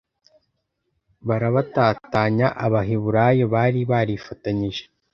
barabatatanya abaheburayo bari barifatanyije